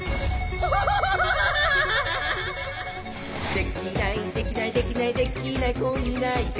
「できないできないできない」「できない子いないか」